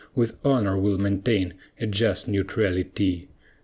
With honor we'll maintain a just neutrality.